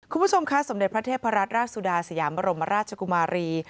คุณผู้ชมคะสมเด็จพระเทพรัตนราชสุดาสยามบรมราชกุมารี